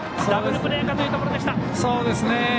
ダブルプレーかというところでした。